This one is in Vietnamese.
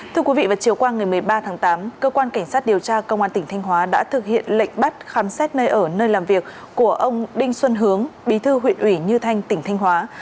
thưa quý vị vào chiều qua ngày một mươi ba tháng tám cơ quan cảnh sát điều tra công an tỉnh thanh hóa đã thực hiện lệnh bắt khám xét nơi ở nơi làm việc của ông đinh xuân hướng bí thư huyện ủy như thanh tỉnh thanh hóa